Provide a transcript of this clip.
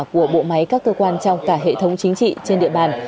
của bộ máy các cơ quan trong cả hệ thống chính trị trên địa bàn